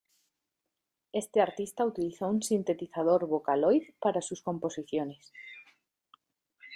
Este artista utilizó un sintetizador Vocaloid para sus composiciones.